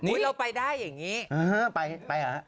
อุ๊ยเราไปได้อย่างนี้